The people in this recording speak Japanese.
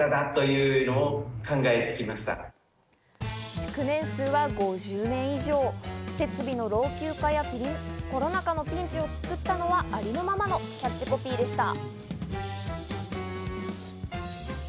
築年数は５０年以上、設備の老朽化やコロナ禍のピンチを救ったのは、ありのままのキャッチコピーでした。